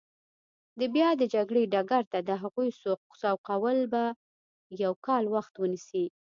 د بیا د جګړې ډګر ته د هغوی سوقول به یو کال وخت ونیسي.